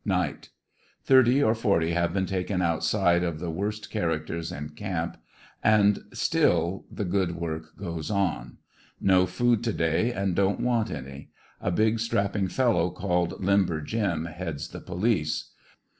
Night. — Thirty or forty have been taken outside of the worst characters in camp, and still the good work goes on. No food to day and don't want any. A big strapping fellow called Limber Jim heads the police.